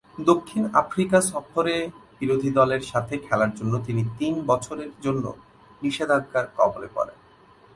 দক্ষিণ আফ্রিকা সফরে বিদ্রোহী দলের সাথে খেলার জন্য তিনি তিন বছরের জন্য নিষেধাজ্ঞার কবলে পড়েন।